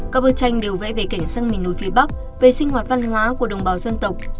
các bức tranh đều vẽ về cảnh sắc miền núi phía bắc về sinh hoạt văn hóa của đồng bào dân tộc